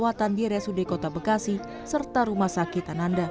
perawatan di rsud kota bekasi serta rumah sakit ananda